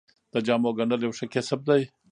د جامو ګنډل یو ښه کسب دی